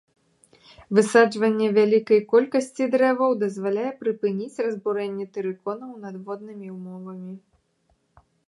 Высаджванне вялікай колькасці дрэваў дазваляе прыпыніць разбурэнне тэрыконаў надворнымі ўмовамі.